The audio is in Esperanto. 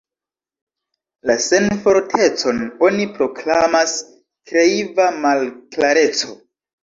La senfortecon oni proklamas kreiva malklareco.